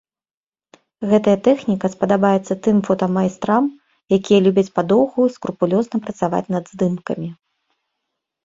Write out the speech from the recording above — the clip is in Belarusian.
Гэтая тэхніка спадабаецца тым фотамайстрам, якія любяць падоўгу і скрупулёзна працаваць над здымкамі.